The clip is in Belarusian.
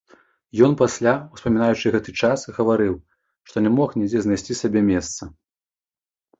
Ён пасля, успамінаючы гэты час, гаварыў, што не мог нідзе знайсці сабе месца.